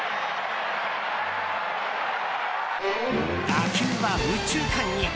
打球は右中間に。